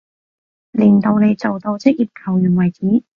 練到你做到職業球員為止